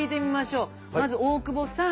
まず大久保さん。